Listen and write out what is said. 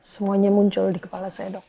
semuanya muncul di kepala saya dok